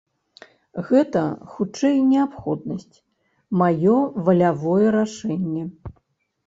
Гэта, хутчэй, неабходнасць, маё валявое рашэнне.